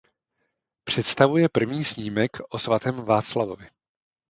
Představuje první snímek o svatém Václavovi.